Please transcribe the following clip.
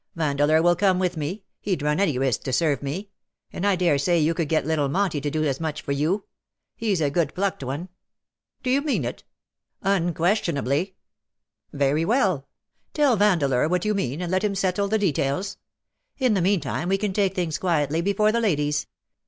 Vandeleur will come with me — heM run any risk to serve me — and I daresay you could get little Monty to do as much for you. He^s a good plucked one." '' Do you mean it ?"" Unquestionably." "V/iry well. Tell Vandeleur what you mean,, and let him settle the details. In the meatime we can take things quietly before the ladies.